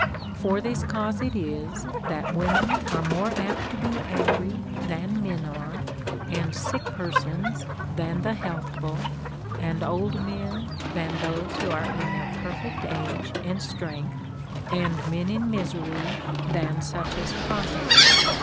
For this cause it is that women are more apt to be angry than men are, and sick persons than the healthful, and old men than those who are in their perfect age and strength, and men in misery than such as prosper.